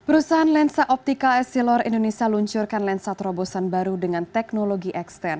perusahaan lensa optikal s cellular indonesia luncurkan lensa terobosan baru dengan teknologi x sepuluh